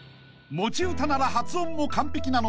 ［持ち歌なら発音も完璧なのか？］